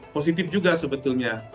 positif juga sebetulnya